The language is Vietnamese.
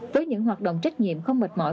với những hoạt động trách nhiệm không mệt mỏi